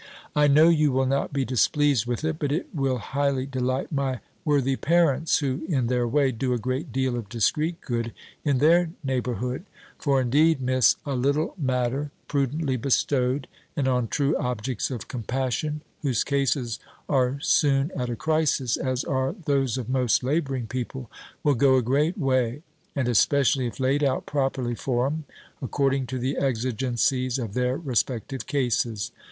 I know you will not be displeased with it; but it will highly delight my worthy parents, who, in their way, do a great deal of discreet good in their neighbourhood: for indeed, Miss, a little matter, prudently bestowed, and on true objects of compassion (whose cases are soon at a crisis, as are those of most labouring people), will go a great way, and especially if laid out properly for 'em, according to the exigencies of their respective cases.